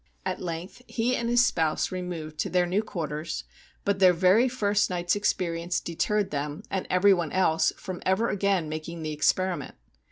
At length he and his spouse removed to their new quarters, but their very first night's experience deterred them and everyone else from ever again making the experiment.